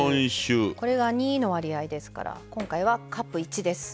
これが２の割合ですから今回はカップ１です。